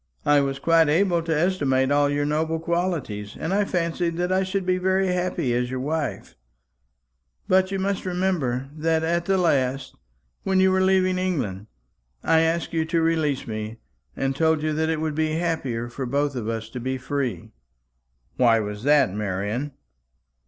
I was quite able to estimate all your noble qualities, and I fancied that I should be very happy as your wife. But you must remember that at the last, when you were leaving England, I asked you to release me, and told you that it would be happier for both of us to be free." "Why was that, Marian?"